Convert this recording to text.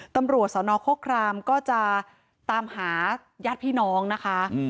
ตำรวจสนโครครามก็จะตามหาญาติพี่น้องนะคะ